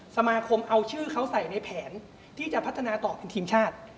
สมาคมเอาชื่อเขาใส่ในแผนที่จะพัฒนาต่อเป็นทีมชาติ